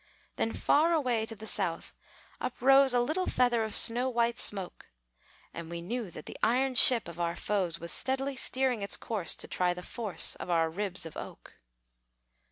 Then far away to the south uprose A little feather of snow white smoke, And we knew that the iron ship of our foes Was steadily steering its course To try the force Of our ribs of oak.